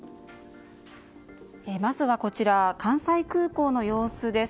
まずは関西空港の様子です。